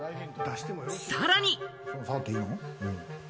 さらに。